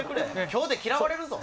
今日で嫌われるぞ。